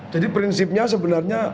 jadi prinsipnya sebenarnya